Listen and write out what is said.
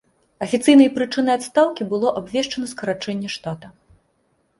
Афіцыйнай прычынай адстаўкі было абвешчана скарачэнне штата.